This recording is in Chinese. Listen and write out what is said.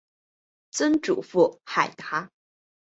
曾祖父海达。